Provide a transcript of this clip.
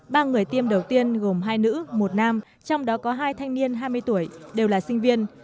ba người tiêm đầu tiên gồm hai nữ một nam trong đó có hai thanh niên hai mươi tuổi đều là sinh viên